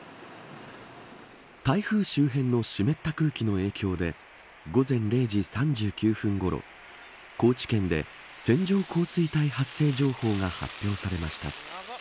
台風周辺の湿った空気の影響で午前０時３９分ごろ高知県で線状降水帯発生情報が発表されました。